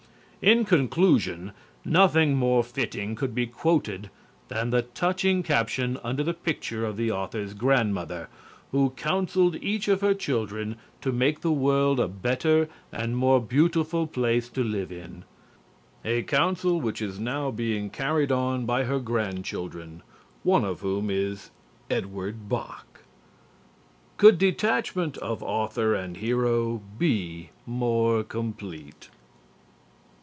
In conclusion, nothing more fitting could be quoted than the touching caption under the picture of the author's grandmother, "who counselled each of her children to make the world a better and more beautiful place to live in a counsel which is now being carried on by her grandchildren, one of whom is Edward Bok." Could detachment of author and hero be more complete?